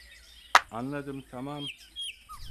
Anladım, tamam.